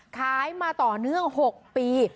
ขายมาต่อเนื่อง๖ปี